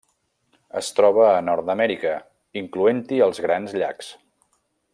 Es troba a Nord-amèrica, incloent-hi els Grans Llacs.